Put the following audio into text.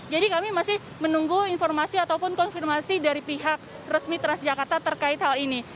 jadi kami masih menunggu informasi ataupun konfirmasi dari pihak resmi transjakarta terkait hal ini